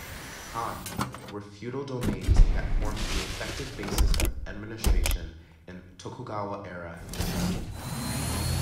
Han were feudal domains that formed the effective basis of administration in Tokugawa-era Japan.